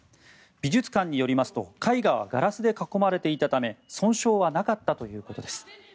美術館によりますと絵画はガラスで囲まれていたため損傷はなかったということです。